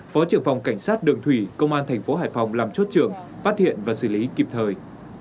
phó trưởng phòng cảnh sát đường thủy công an thành phố hải phòng làm chốt trưởng phát hiện và xử lý kịp thời